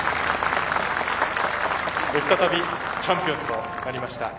再びチャンピオンとなりました。